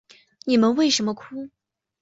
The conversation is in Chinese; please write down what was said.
你们为什么哭？